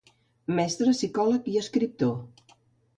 Mestre, psicòleg i escriptor.